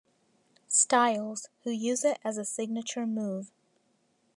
Styles, who use it as a signature move.